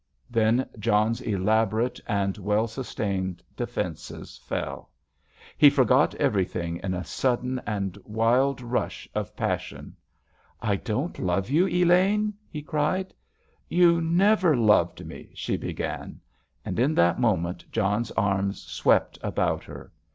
Then John's elaborate and well sustained defences fell. He forgot everything in a sudden wild rush of passion. "I don't love you, Elaine?" he cried. "You never loved me——" she began. And in that moment John's arms swept about her.